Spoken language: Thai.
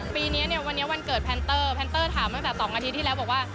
ปีนี้เนี่ยวันนี้วันเกิดแพนเตอร์แพนเตอร์ถามตั้งแต่๒อาทิตย์ที่แล้วบอกว่า